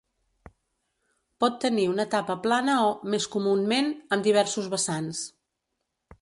Pot tenir una tapa plana o, més comunament, amb diversos vessants.